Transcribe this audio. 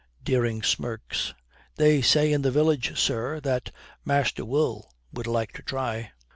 Dering smirks. 'They say in the village, sir, that Master Will would like to try.'